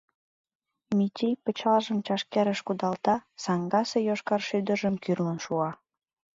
Мичий пычалжым чашкерыш кудалта, саҥгасе йошкар шӱдыржым кӱрлын шуа.